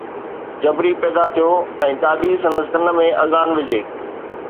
جبري پيدا ٿيو ۽ ڏاڏي سندس ڪن ۾ اذان وجھي